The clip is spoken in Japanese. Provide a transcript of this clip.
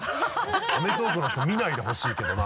「アメトーーク！」の人見ないでほしいけどな。